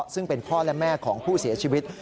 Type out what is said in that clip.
ซึ่งเป็นพ่อและแม่ของผู้เสียชีวิต